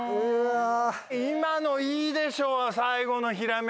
今のいいでしょ最後のひらめき。